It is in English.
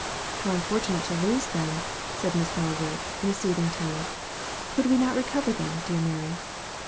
"How unfortunate to lose them!" said Miss Norwood, in a soothing tone. "Could not we recover them, dear Mary?"